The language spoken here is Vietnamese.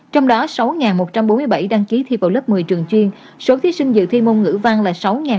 trong đó sáu một trăm bốn mươi bảy đăng ký thi vào lớp một mươi trường chuyên số thí sinh dự thi môn ngữ văn là sáu